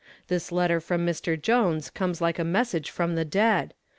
This letter from Mr. Jones comes like a message from the dead.